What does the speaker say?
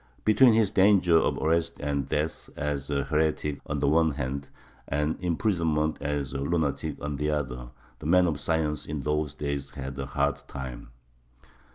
Between his danger of arrest and death as a heretic on the one hand, and imprisonment as a lunatic on the other, the man of science in those days had a hard time.